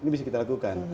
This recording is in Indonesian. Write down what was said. ini bisa kita lakukan